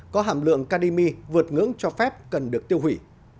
có hàm lượng kadimi vượt ngưỡng cho phép cần được tiêu hủy